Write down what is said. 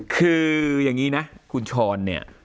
คืออย่างนี้นะคุณช้อนเนี่ย